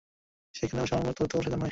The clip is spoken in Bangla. সেইখানেই অসংলগ্ন তথ্যগুলি সাজান হয়।